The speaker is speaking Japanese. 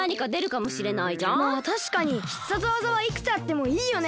まあたしかに必殺技はいくつあってもいいよね。